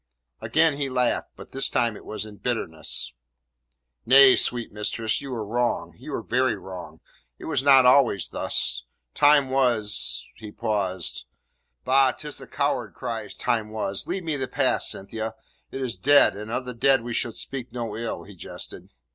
Again he laughed, but this time it was in bitterness. "Nay, sweet mistress, you are wrong you are very wrong; it was not always thus. Time was " He paused. "Bah! 'Tis the coward cries "time was"! Leave me the past, Cynthia. It is dead, and of the dead we should speak no ill," he jested.